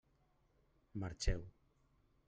Marxeu!